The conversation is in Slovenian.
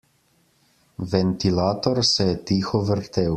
Ventilator se je tiho vrtel.